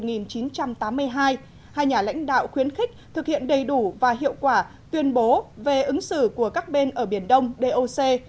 hai nhà lãnh đạo khuyến khích thực hiện đầy đủ và hiệu quả tuyên bố về ứng xử của các bên ở biển đông doc